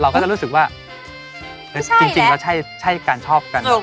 เราก็จะรู้สึกว่าจริงก็ใช่การชอบกัน